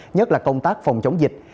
nhất là công tác phòng chống dịch